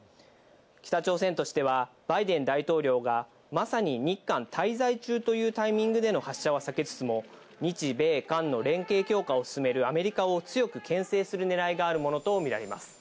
北朝鮮としてはバイデン大統領がまさに日韓滞在中というタイミングでの発射は避けつつも、日米韓の連携強化を進めるアメリカを強く牽制する狙いがあるものとみられます。